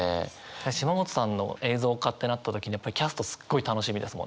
島本さんの映像化ってなった時にやっぱりキャストすっごい楽しみですもん。